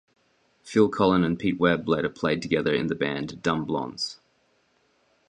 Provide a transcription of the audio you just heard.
Phil Collen and Pete Webb later played together in the band Dumb Blondes.